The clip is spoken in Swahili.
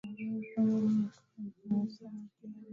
Hakuna mtu hapa dada.